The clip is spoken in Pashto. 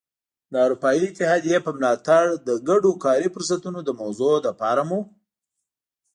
د اروپايي اتحادیې په ملاتړ د ګډو کاري فرصتونو د موضوع لپاره مو.